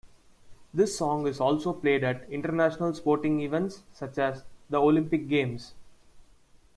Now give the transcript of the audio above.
This song is also played at international sporting events such as the Olympic Games.